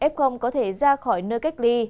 f có thể ra khỏi nơi cách ly